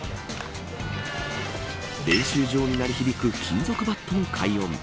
練習場に鳴り響く金属バットの快音。